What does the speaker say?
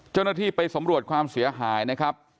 เจ้าหน้าที่ไปสำรวจความเสียหายนะครับ